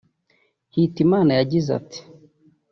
Hitimana yagize ati